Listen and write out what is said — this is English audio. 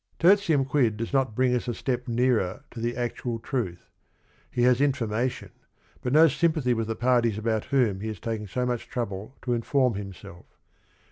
Tertium Quid does not bring us a step n earer to the actual truth. He has information but no sympathy with the parties about whom he has taken so much trouble to inform himself.